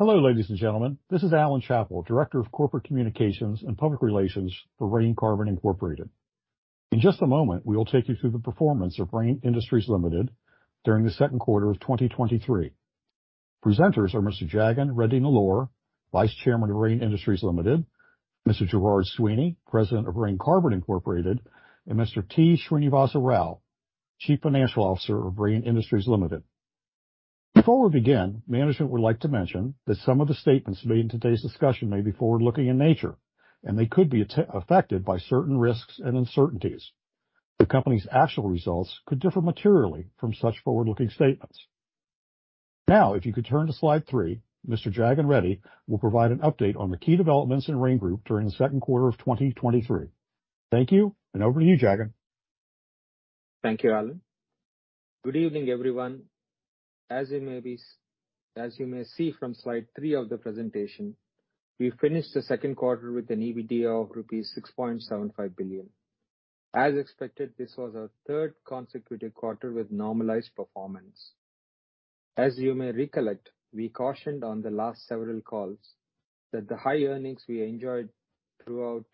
Hello, ladies and gentlemen. This is Alan Chapple, Director of Corporate Communications and Public Relations for Rain Carbon, Incorporated. In just a moment, we will take you through the performance of Rain Industries Limited during the second quarter of 2023. Presenters are Mr. Jagan Reddy Nellore, Vice Chairman of Rain Industries Limited, Mr. Gerard Sweeney, President of Rain Carbon, Incorporated, and Mr. T. Srinivasa Rao, Chief Financial Officer of Rain Industries Limited. Before we begin, management would like to mention that some of the statements made in today's discussion may be forward-looking in nature, and they could be affected by certain risks and uncertainties. The company's actual results could differ materially from such forward-looking statements. If you could turn to slide 3, Mr. Jagan Reddy will provide an update on the key developments in Rain Group during the second quarter of 2023. Thank you, and over to you, Jagan. Thank you, Alan. Good evening, everyone. As you may see from slide 3 of the presentation, we finished the second quarter with an EBITDA of rupees 6.75 billion. As expected, this was our third consecutive quarter with normalized performance. As you may recollect, we cautioned on the last several calls that the high earnings we enjoyed throughout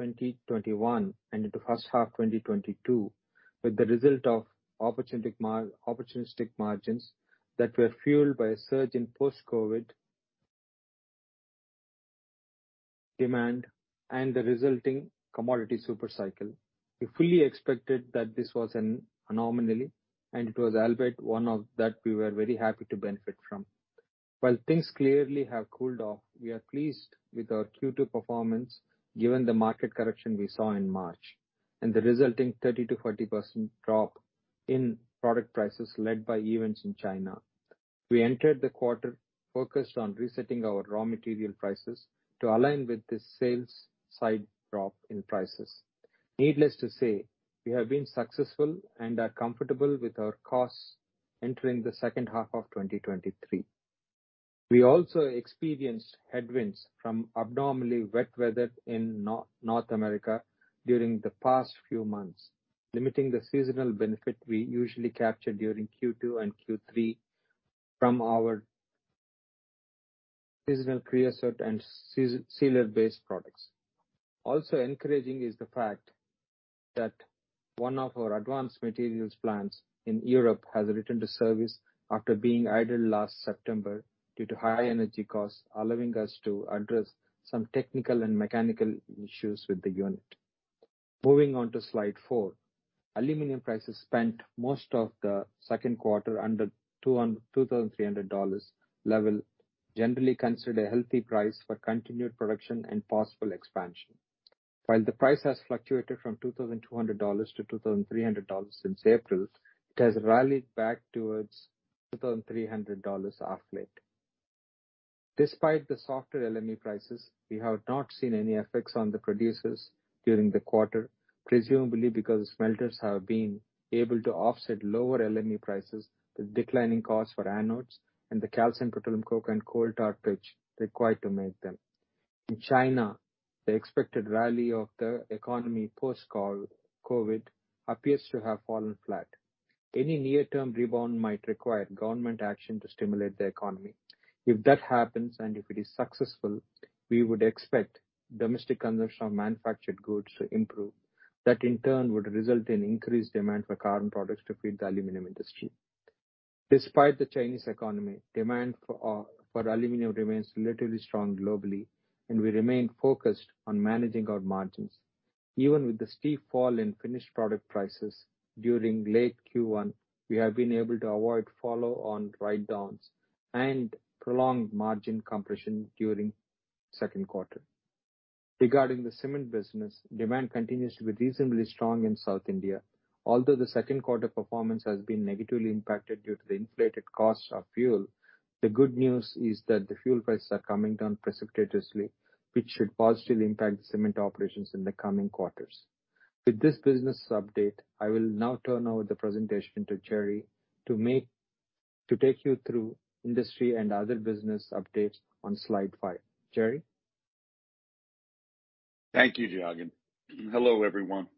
2021 and into first half 2022 were the result of opportunistic margins that were fueled by a surge in post-COVID demand and the resulting commodity super cycle. We fully expected that this was an anomaly, and it was albeit one of that we were very happy to benefit from. While things clearly have cooled off, we are pleased with our Q2 performance, given the market correction we saw in March and the resulting 30%-40% drop in product prices led by events in China. We entered the quarter focused on resetting our raw material prices to align with the sales side drop in prices. Needless to say, we have been successful and are comfortable with our costs entering the second half of 2023. We also experienced headwinds from abnormally wet weather in North America during the past few months, limiting the seasonal benefit we usually capture during Q2 and Q3 from our seasonal creosote and sealer-based products. Encouraging is the fact that one of our advanced materials plants in Europe has returned to service after being idle last September due to high energy costs, allowing us to address some technical and mechanical issues with the unit. Moving on to Slide 4, aluminum prices spent most of the second quarter under the $2,300 level, generally considered a healthy price for continued production and possible expansion. While the price has fluctuated from $2,200 to $2,300 since April, it has rallied back towards $2,300 of late. Despite the softer LME prices, we have not seen any effects on the producers during the quarter, presumably because smelters have been able to offset lower LME prices with declining costs for anodes and the calcined petroleum coke and coal tar pitch required to make them. In China, the expected rally of the economy post-COVID appears to have fallen flat. Any near-term rebound might require government action to stimulate the economy. If that happens, and if it is successful, we would expect domestic consumption of manufactured goods to improve. That, in turn, would result in increased demand for carbon products to feed the aluminum industry. Despite the Chinese economy, demand for aluminum remains relatively strong globally, and we remain focused on managing our margins. Even with the steep fall in finished product prices during late Q1, we have been able to avoid follow-on write-downs and prolonged margin compression during second quarter. Regarding the cement business, demand continues to be reasonably strong in South India. Although the second quarter performance has been negatively impacted due to the inflated cost of fuel, the good news is that the fuel prices are coming down precipitously, which should positively impact the cement operations in the coming quarters. With this business update, I will now turn over the presentation to Jerry to take you through industry and other business updates on slide 5. Jerry? Thank you, Jagan. Hello, everyone.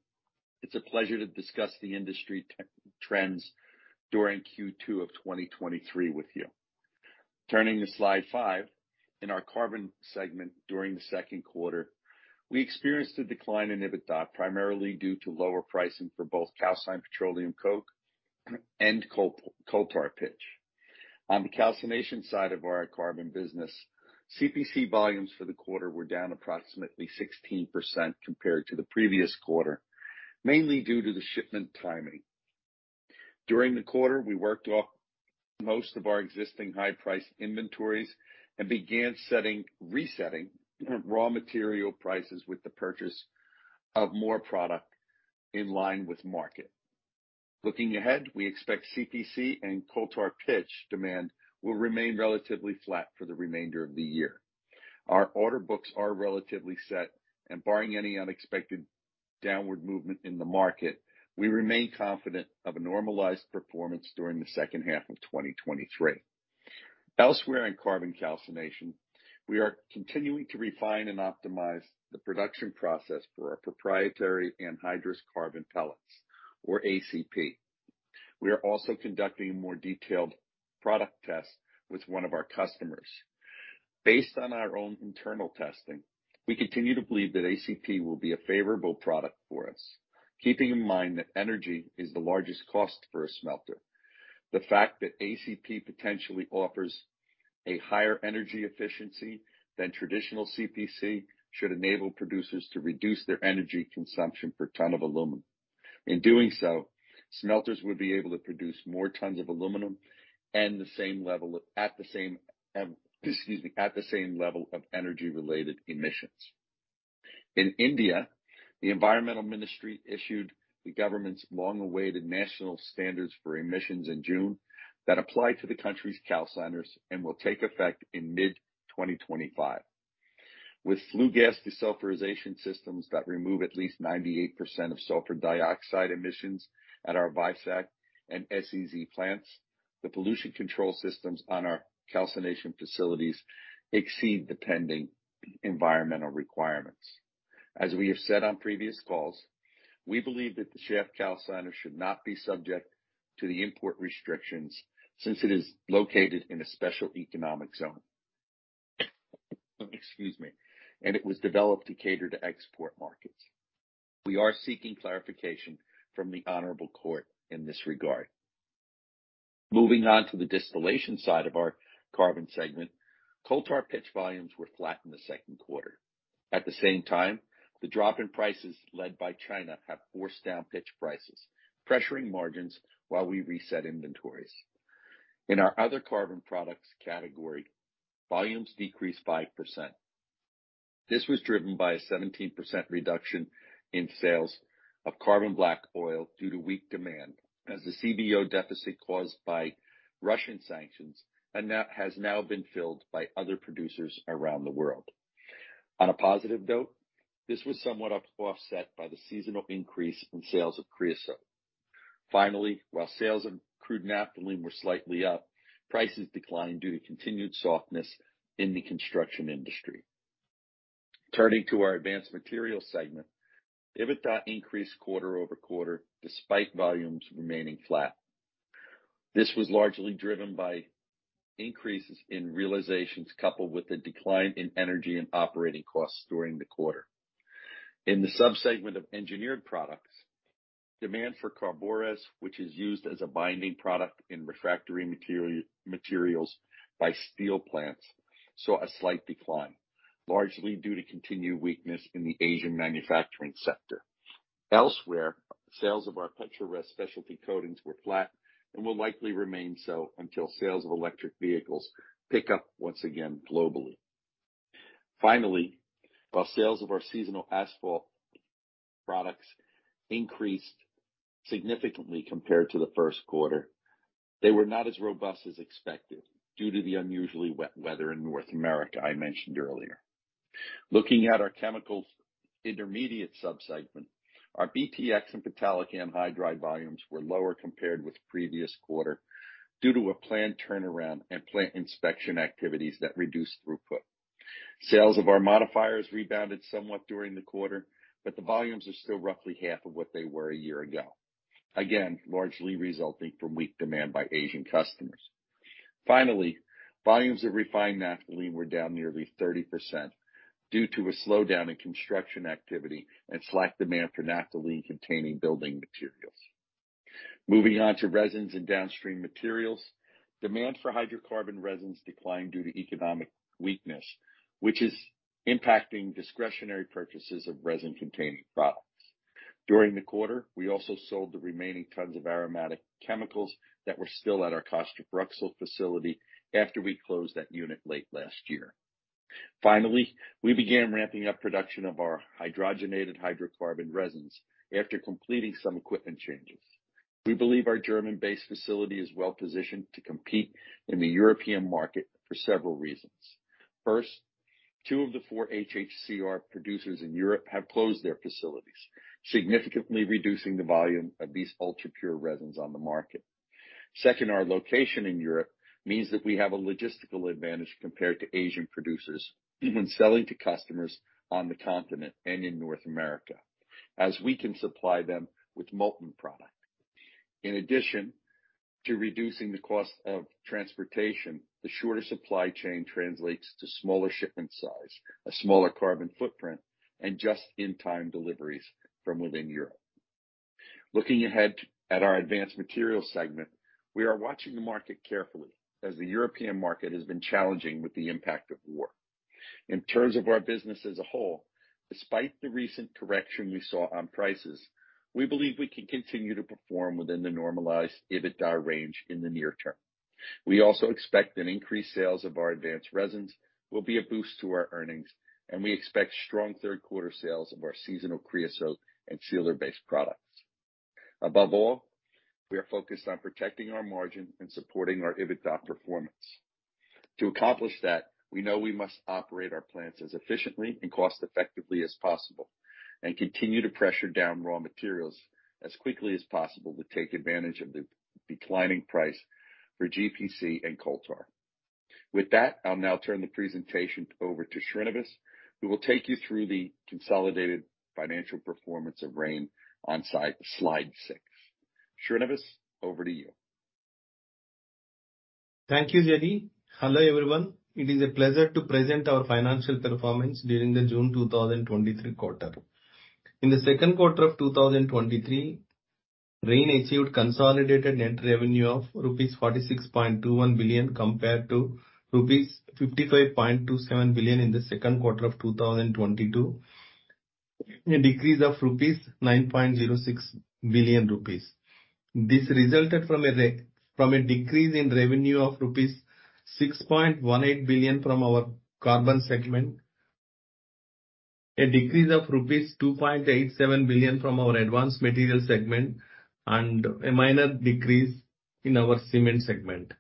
It's a pleasure to discuss the industry trends during Q2 of 2023 with you. Turning to slide 5, in our carbon segment during the second quarter, we experienced a decline in EBITDA, primarily due to lower pricing for both calcined petroleum coke and coal tar pitch. On the calcination side of our carbon business, CPC volumes for the quarter were down approximately 16% compared to the previous quarter, mainly due to the shipment timing. During the quarter, we worked off most of our existing high-priced inventories and began resetting raw material prices with the purchase of more product in line with market. Looking ahead, we expect CPC and coal tar pitch demand will remain relatively flat for the remainder of the year. Our order books are relatively set and barring any unexpected downward movement in the market, we remain confident of a normalized performance during the second half of 2023. Elsewhere in carbon calcination, we are continuing to refine and optimize the production process for our proprietary anhydrous carbon pellets, or ACP. We are also conducting a more detailed product test with one of our customers. Based on our own internal testing, we continue to believe that ACP will be a favorable product for us. Keeping in mind that energy is the largest cost for a smelter, the fact that ACP potentially offers a higher energy efficiency than traditional CPC should enable producers to reduce their energy consumption per ton of aluminum. In doing so, smelters would be able to produce more tons of aluminum and the same level of, at the same level of energy-related emissions. In India, the environmental ministry issued the government's long-awaited national standards for emissions in June that apply to the country's calciners and will take effect in mid-2025. With flue gas desulfurization systems that remove at least 98% of sulfur dioxide emissions at our Vizag and SEZ plants, the pollution control systems on our calcination facilities exceed the pending environmental requirements. As we have said on previous calls, we believe that the shaft calciner should not be subject to the import restrictions since it is located in a special economic zone. It was developed to cater to export markets. We are seeking clarification from the Honorable Court in this regard. Moving on to the distillation side of our carbon segment, coal tar pitch volumes were flat in the second quarter. At the same time, the drop in prices led by China have forced down pitch prices, pressuring margins while we reset inventories. In our other carbon products category, volumes decreased 5%. This was driven by a 17% reduction in sales of carbon black oil due to weak demand, as the CBO deficit caused by Russian sanctions has now been filled by other producers around the world. On a positive note, this was somewhat offset by the seasonal increase in sales of creosote. Finally, while sales of crude naphthalene were slightly up, prices declined due to continued softness in the construction industry. Turning to our advanced materials segment, EBITDA increased quarter-over-quarter, despite volumes remaining flat. This was largely driven by increases in realizations, coupled with a decline in energy and operating costs during the quarter. In the sub-segment of engineered products, demand for CARBORES, which is used as a binding product in refractory materials by steel plants, saw a slight decline, largely due to continued weakness in the Asian manufacturing sector. Elsewhere, sales of our PETRORES specialty coatings were flat and will likely remain so until sales of electric vehicles pick up once again globally. Finally, while sales of our seasonal asphalt products increased significantly compared to the first quarter, they were not as robust as expected due to the unusually wet weather in North America I mentioned earlier. Looking at our chemicals intermediate sub-segment, our BTX and maleic anhydride volumes were lower compared with previous quarter due to a planned turnaround and plant inspection activities that reduced throughput. Sales of our modifiers rebounded somewhat during the quarter. The volumes are still roughly half of what they were a year ago. Again, largely resulting from weak demand by Asian customers. Finally, volumes of refined naphthalene were down nearly 30% due to a slowdown in construction activity and slack demand for naphthalene-containing building materials. Moving on to resins and downstream materials. Demand for hydrocarbon resins declined due to economic weakness, which is impacting discretionary purchases of resin-containing products. During the quarter, we also sold the remaining tons of aromatic chemicals that were still at our Castrop-Rauxel facility after we closed that unit late last year. Finally, we began ramping up production of our hydrogenated hydrocarbon resins after completing some equipment changes. We believe our German-based facility is well positioned to compete in the European market for several reasons. First, two of the four HHCR producers in Europe have closed their facilities, significantly reducing the volume of these ultra-pure resins on the market. Second, our location in Europe means that we have a logistical advantage compared to Asian producers when selling to customers on the continent and in North America, as we can supply them with molten product. In addition to reducing the cost of transportation, the shorter supply chain translates to smaller shipment size, a smaller carbon footprint, and just-in-time deliveries from within Europe. Looking ahead at our advanced materials segment, we are watching the market carefully as the European market has been challenging with the impact of war. In terms of our business as a whole, despite the recent correction we saw on prices, we believe we can continue to perform within the normalized EBITDA range in the near term. We also expect an increased sales of our advanced resins will be a boost to our earnings, and we expect strong third quarter sales of our seasonal creosote and sealer-based products. Above all, we are focused on protecting our margin and supporting our EBITDA performance. To accomplish that, we know we must operate our plants as efficiently and cost-effectively as possible, and continue to pressure down raw materials as quickly as possible to take advantage of the declining price for GPC and coal tar. With that, I'll now turn the presentation over to Srinivas, who will take you through the consolidated financial performance of Rain on slide 6. Srinivas, over to you. Thank you, Sweeney. Hello, everyone. It is a pleasure to present our financial performance during the June 2023 quarter. In the second quarter of 2023, Rain achieved consolidated net revenue of rupees 46.21 billion, compared to rupees 55.27 billion in the second quarter of 2022, a decrease of 9.06 billion rupees. This resulted from a decrease in revenue of rupees 6.18 billion from our carbon segment, a decrease of rupees 2.87 billion from our advanced materials segment, and a minor decrease in our cement segment.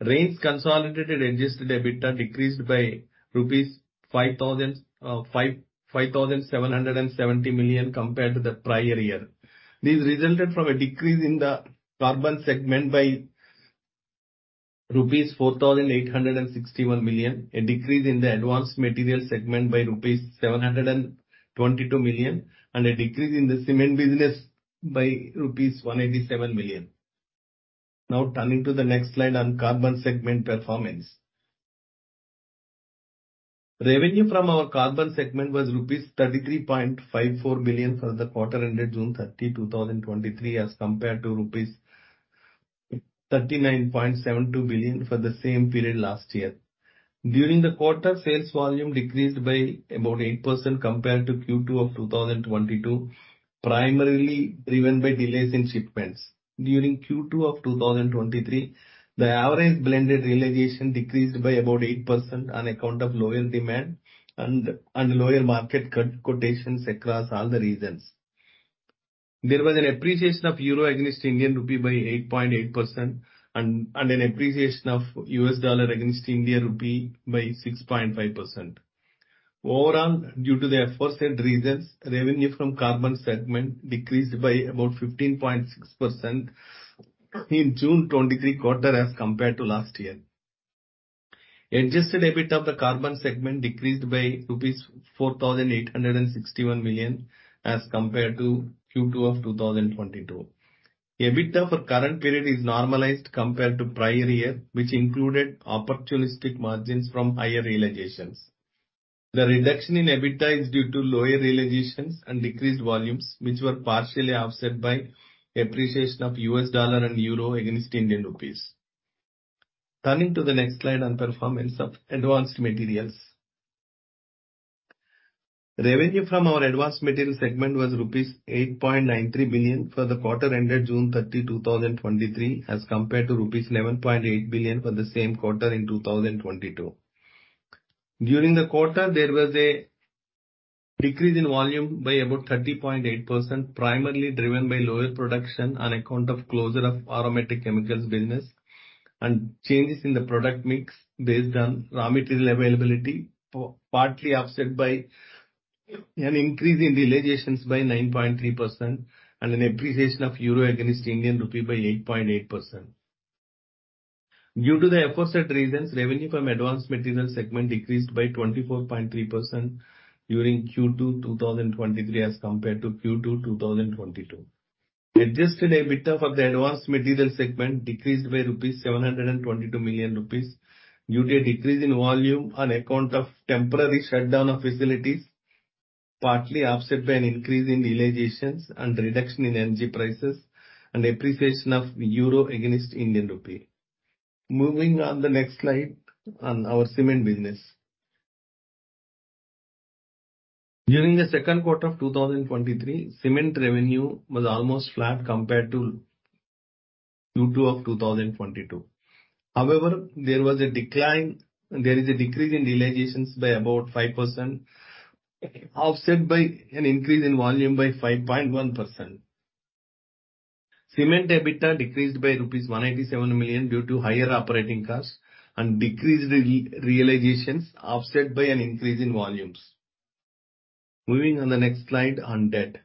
Rain's consolidated adjusted EBITDA decreased by rupees 5,770 million compared to the prior year. This resulted from a decrease in the carbon segment by rupees 4,861 million, a decrease in the advanced materials segment by rupees 722 million, and a decrease in the cement business by rupees 187 million. Turning to the next slide on carbon segment performance. Revenue from our carbon segment was rupees 33.54 billion for the quarter ended June 30, 2023, as compared to rupees 39.72 billion for the same period last year. During the quarter, sales volume decreased by about 8% compared to Q2 of 2022, primarily driven by delays in shipments. During Q2 of 2023, the average blended realization decreased by about 8% on account of lower demand and lower market cut quotations across all the regions. There was an appreciation of euro against Indian rupee by 8.8% and an appreciation of US dollar against Indian rupee by 6.5%. Overall, due to the aforesaid reasons, revenue from carbon segment decreased by about 15.6% in June 2023 quarter as compared to last year. Adjusted EBITDA of the carbon segment decreased by 4,861 million rupees as compared to Q2 of 2022. EBITDA for current period is normalized compared to prior year, which included opportunistic margins from higher realizations. The reduction in EBITDA is due to lower realizations and decreased volumes, which were partially offset by appreciation of US dollar and euro against Indian rupees. Turning to the next slide on performance of advanced materials. Revenue from our advanced materials segment was rupees 8.93 billion for the quarter ended June 30, 2023, as compared to rupees 11.8 billion for the same quarter in 2022. During the quarter, there was a decrease in volume by about 30.8%, primarily driven by lower production on account of closure of Aromatic Chemicals business, and changes in the product mix based on raw material availability, partly offset by an increase in realizations by 9.3% and an appreciation of euro against Indian rupee by 8.8%. Due to the aforesaid reasons, revenue from advanced materials segment decreased by 24.3% during Q2 2023, as compared to Q2 2022. Adjusted EBITDA of the advanced materials segment decreased by 722 million rupees due to a decrease in volume on account of temporary shutdown of facilities, partly offset by an increase in realizations and reduction in energy prices and appreciation of euro against Indian rupee. Moving on the next slide, on our cement business. During the second quarter of 2023, cement revenue was almost flat compared to Q2 of 2022. However, there is a decrease in realizations by about 5%, offset by an increase in volume by 5.1%. Cement EBITDA decreased by INR 187 million due to higher operating costs and decreased realizations, offset by an increase in volumes. Moving on the next slide, on debt.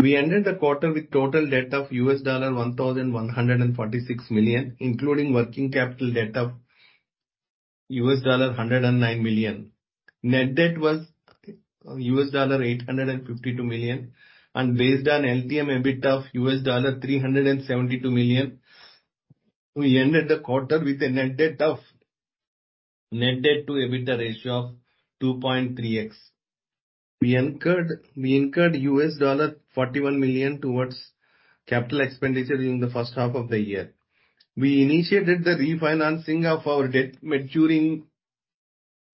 We ended the quarter with total debt of $1,146 million, including working capital debt of $109 million. Net debt was $852 million, and based on LTM EBITDA of $372 million, we ended the quarter with a net debt to EBITDA ratio of 2.3x. We incurred $41 million towards capital expenditure during the first half of the year. We initiated the refinancing of our debt maturing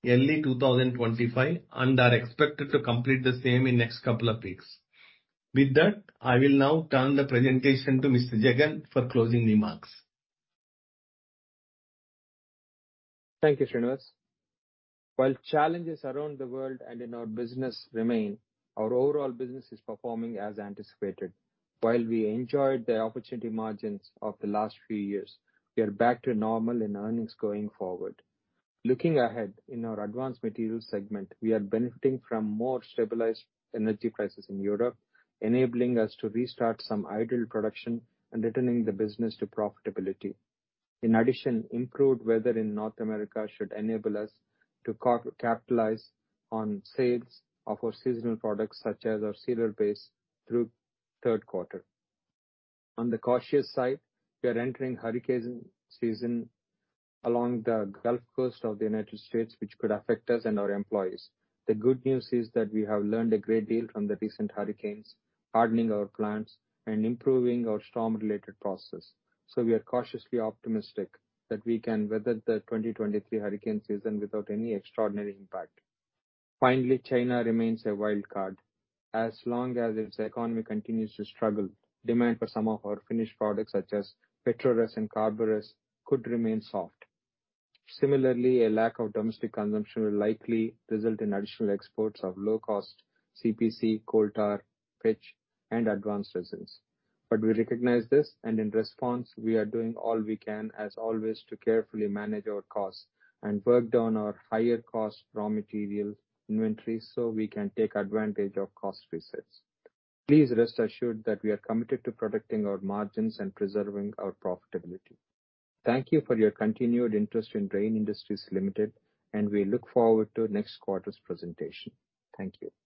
early 2025, and are expected to complete the same in next couple of weeks. With that, I will now turn the presentation to Mr. Jagan for closing remarks. Thank you, Srinivas. While challenges around the world and in our business remain, our overall business is performing as anticipated. While we enjoyed the opportunity margins of the last few years, we are back to normal in earnings going forward. Looking ahead, in our advanced materials segment, we are benefiting from more stabilized energy prices in Europe, enabling us to restart some idle production and returning the business to profitability. Improved weather in North America should enable us to capitalize on sales of our seasonal products, such as our sealer-base, through third quarter. On the cautious side, we are entering hurricane season along the Gulf Coast of the United States, which could affect us and our employees. The good news is that we have learned a great deal from the recent hurricanes, hardening our plants and improving our storm-related processes. We are cautiously optimistic that we can weather the 2023 hurricane season without any extraordinary impact. Finally, China remains a wild card. As long as its economy continues to struggle, demand for some of our finished products, such as petroleum resin, CARBORES, could remain soft. Similarly, a lack of domestic consumption will likely result in additional exports of low-cost CPC, coal tar pitch, and advanced resins. We recognize this, and in response, we are doing all we can, as always, to carefully manage our costs and work down our higher cost raw material inventories so we can take advantage of cost resets. Please rest assured that we are committed to protecting our margins and preserving our profitability. Thank you for your continued interest in Rain Industries Limited, and we look forward to next quarter's presentation. Thank you.